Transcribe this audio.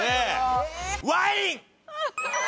ワイン！